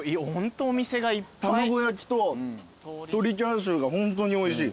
玉子焼と鶏チャーシューがホントにおいしい。